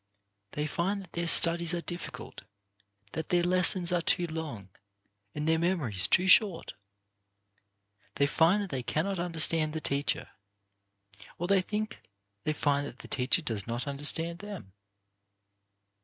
They find that their studies are difficult; that their lessons are too long and their memories too short. They find that they cannot understand the teacher, or they think they find that the teacher does not understand them.